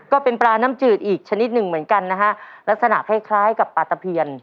ก็เป็นปลาน้ำจืดอีกชนิดหนึ่งเหมือนกันนะฮะลักษณะคล้ายคล้ายกับปลาตะเพียน